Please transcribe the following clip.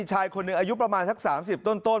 ชายคนหนึ่งอายุประมาณสัก๓๐ต้น